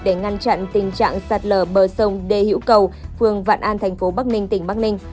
để ngăn chặn tình trạng sạt lở bờ sông đê hữu cầu phường vạn an thành phố bắc ninh tỉnh bắc ninh